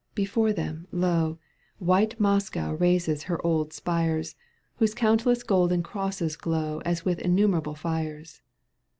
Before them, lo ! White Moscow raises her old spires. Whose countless golden crosses glow As with innumerable fires.